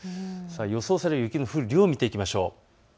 予想される雪の降る量を見ていきましょう。